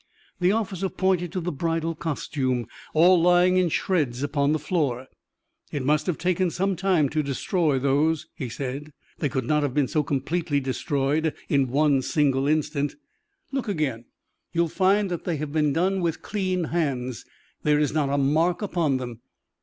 The officer pointed to the bridal costume, all lying in shreds upon the floor. "It must have taken some time to destroy those," he said; "they could not have been so completely destroyed in one single instant. Look again; you will find that they have been done with clean hands there is not a mark upon them.